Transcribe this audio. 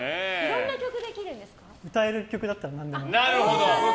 歌える曲だったら何でも。